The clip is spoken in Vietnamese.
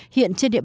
hiện trên đường